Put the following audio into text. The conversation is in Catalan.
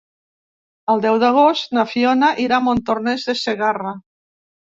El deu d'agost na Fiona irà a Montornès de Segarra.